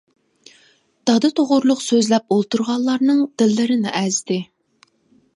دادا توغرۇلۇق سۆزلەپ ئولتۇرغانلارنىڭ دىللىرىنى ئەزدى.